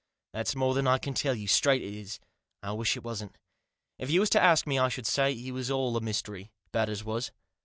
" That's more than I can tell you, straight it is. I wish it wasn't. If you was to ask me I should say he was all mystery, Batters was."